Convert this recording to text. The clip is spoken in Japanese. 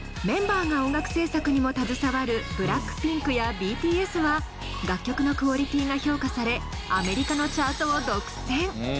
メンバーが音楽制作にも携わるＢＬＡＣＫＰＩＮＫやＢＴＳは楽曲のクオリティーが評価されアメリカのチャートを独占。